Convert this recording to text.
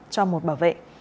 cho một bảo vệ